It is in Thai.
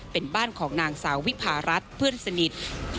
เป็นบ้านของนางสาววิพารัฐเพื่อนสนิท